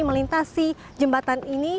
melintasi jembatan ini